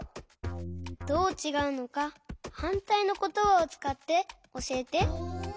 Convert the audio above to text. どうちがうのかはんたいのことばをつかっておしえて。